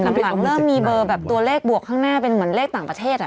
หลังเริ่มมีเบอร์แบบตัวเลขบวกข้างหน้าเป็นเหมือนเลขต่างประเทศ